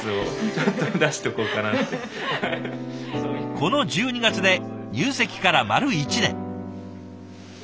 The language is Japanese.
この１２月で入籍から丸１年。